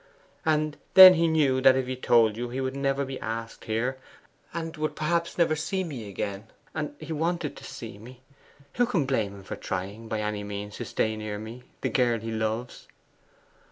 And then he knew that if he told you he would never be asked here, and would perhaps never see me again. And he wanted to see me. Who can blame him for trying, by any means, to stay near me the girl he loves?